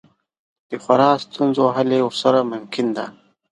د خورا ستونزو حل یې ورسره ممکن دی.